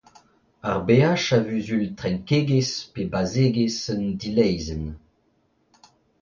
Ar bH a vuzul trenkegezh pe bazegezh un dileizhenn.